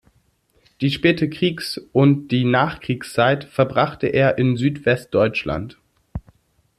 Die späte Kriegs- und die Nachkriegszeit verbrachte er in Südwestdeutschland.